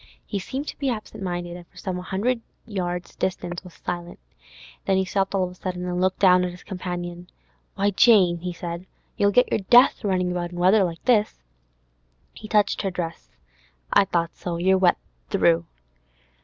He seemed to be absent minded, and for some hundred yards' distance was silent; then he stopped of a sudden and looked down at his companion. 'Why, Jane,' he said, 'you'll get your death, running about in weather like this.' He touched her dress. 'I thought so; you're wet through.